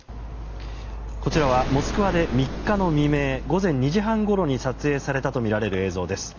こちらはモスクワで３日の未明午前２時半ごろに撮影されたとみられる映像です。